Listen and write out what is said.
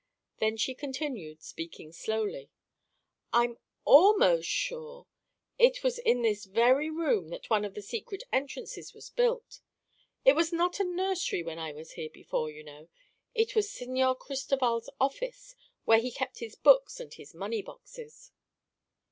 Then she continued, speaking slowly: "I'm almost sure it was in this very room that one of the secret entrances was built. It was not a nursery when I was here before, you know; it was Señor Cristoval's office, where he kept his books and his money boxes."